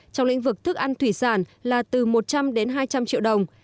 trong lĩnh vực thức ăn thủy sản là từ một trăm linh đến hai trăm linh triệu đồng